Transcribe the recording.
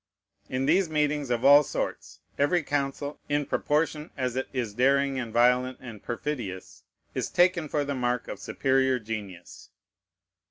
In these meetings of all sorts, every counsel, in proportion as it is daring and violent and perfidious, is taken for the mark of superior genius.